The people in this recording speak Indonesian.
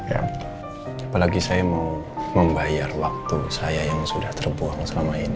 apalagi saya mau membayar waktu saya yang sudah terbuang selama ini